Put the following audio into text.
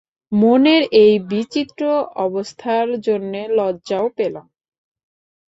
মনের এই বিচিত্র অবস্থার জন্যে লজ্জাও পেলাম।